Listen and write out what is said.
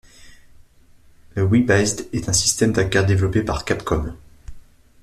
Le Wii Based est un système d'arcade développé par Capcom.